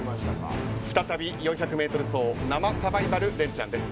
再び、４００メートル走生サバイバルレンチャンです。